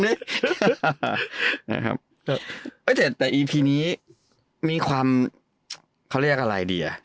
ดินะครับเอ่ยแต่นี้มีความเขาเรียกอะไรดีอ่ะใช้